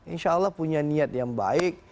insya allah punya niat yang baik